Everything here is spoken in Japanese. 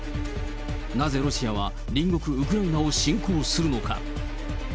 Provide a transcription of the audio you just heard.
なぜロシアは隣国ウクライナを侵攻するのか。